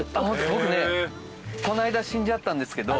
僕ねこの間死んじゃったんですけど。